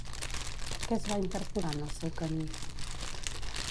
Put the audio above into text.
Què es va interposar en el seu camí?